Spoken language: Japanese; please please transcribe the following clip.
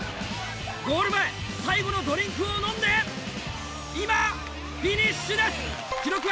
ゴール前最後のドリンクを飲んで今フィニッシュです！